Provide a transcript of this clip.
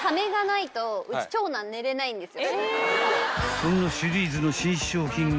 ［そんなシリーズの新商品が］